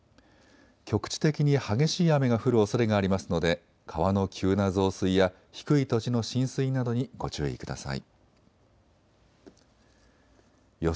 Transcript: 局地的に激しい雨が降るおそれがありますので川の急な増水や低い土地の浸水などにご注意ください。